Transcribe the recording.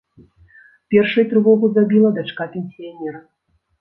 Першай трывогу забіла дачка пенсіянера.